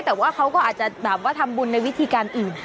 แต่ว่าเขาก็อาจจะแบบว่าทำบุญในวิธีการอื่น